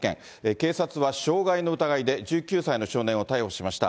警察は傷害の疑いで、１９歳の少年を逮捕しました。